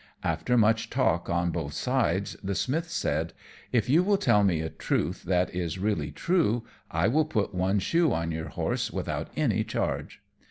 After much talk on both sides, the Smith said, "If you will tell me a truth that is really true, I will put one shoe on your horse without any charge."